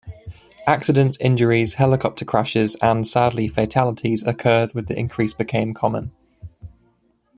Accidents, injuries, helicopter crashes and, sadly, fatalities occurred with increasedbecame common.